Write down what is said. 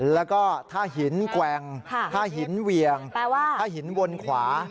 แล้วก็ถ้าหินแกว่งถ้าหินเวียงแปลว่าถ้าหินวนขวา